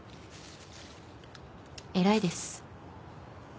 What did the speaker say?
偉いです。